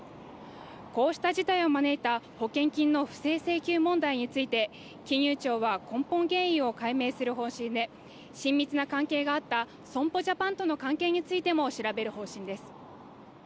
こうした事態を招いた保険金の不正請求問題について、金融庁は根本原因を解明する方針で親密な関係があった損保ジャパンとの関係についても調べる方針です。